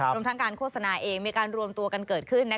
รวมทั้งการโฆษณาเองมีการรวมตัวกันเกิดขึ้น